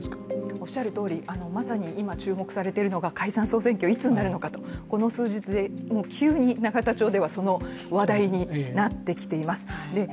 おっしゃるとおりまさに今注目されるのが解散総選挙、いつになるのかとここ数日で急に、永田町ではその話題になってきています。